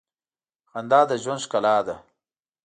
خندا د ژوند ښکلا ده.